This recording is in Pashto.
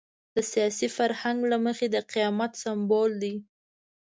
د سیاسي فرهنګ له مخې د قیامت سمبول دی.